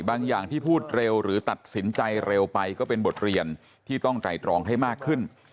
อย่างที่พูดเร็วหรือตัดสินใจเร็วไปก็เป็นบทเรียนที่ต้องไตรตรองให้มากขึ้น